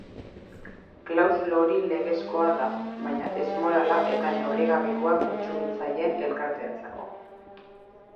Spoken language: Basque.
Klausula hori legezkoa da, baina ezmorala eta neurrigabekoa kontsumitzaileen elkarteentzako.